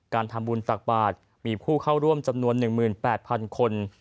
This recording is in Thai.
การทำบุญตักบาทมีผู้เข้าร่วมจำนวน๑๘๐๐๐คน